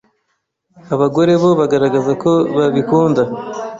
abagore bo bagaragaza ko babikunda